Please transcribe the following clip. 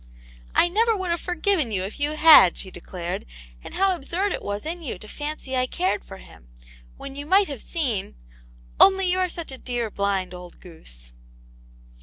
" I never would have forgiven you if you had !" she declared. " And how absurd it was in you to fancy I cared for him, when you might have seen — only you are such a dear blind old goose."